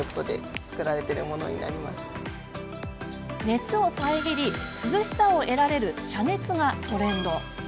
熱を遮り、涼しさを得られる遮熱がトレンド。